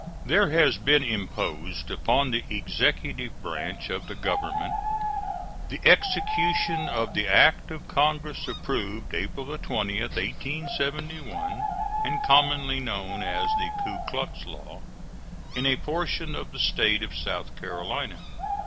There has been imposed upon the executive branch of the Government the execution of the act of Congress approved April 20, 1871, and commonly known as the Kuklux law, in a portion of the State of South Carolina.